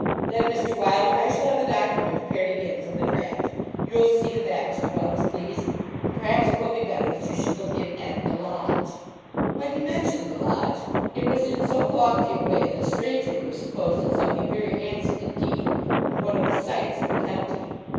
'Then, Mr. Wylder, I shall have the document prepared again from the draft. You'll see to that, Mr. Buggs, please; and perhaps it will be better that you should look in at the Lodge.' When he mentioned the Lodge, it was in so lofty a way that a stranger would have supposed it something very handsome indeed, and one of the sights of the county.